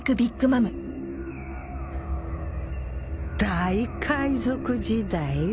大海賊時代？